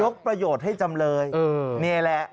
ประโยชน์ให้จำเลยนี่แหละ